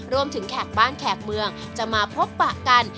แขกบ้านแขกเมืองจะมาพบปะกัน